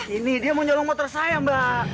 ini dia mau nyolong motor saya mbak